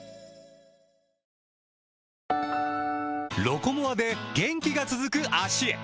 「ロコモア」で元気が続く脚へ！